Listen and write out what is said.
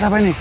ada apa ini